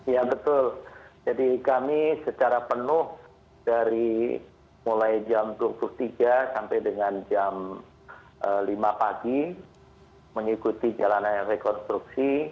ya betul jadi kami secara penuh dari mulai jam dua puluh tiga sampai dengan jam lima pagi mengikuti jalanan rekonstruksi